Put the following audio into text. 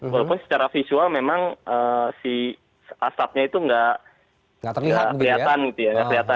walaupun secara visual memang si asapnya itu nggak kelihatan gitu ya